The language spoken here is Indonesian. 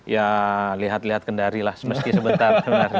ya lihat lihat kendari lah meski sebentar